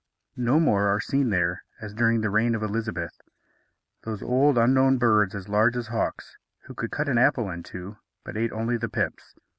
No more are seen there, as during the reign of Elizabeth, those old unknown birds as large as hawks, who could cut an apple in two, but ate only the pips.